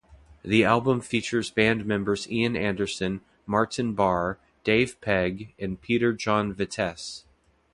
The album features band members Ian Anderson, Martin Barre, Dave Pegg and Peter-John Vettese.